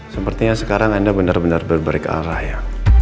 sepertinya sekarang anda benar benar berbarek arah ya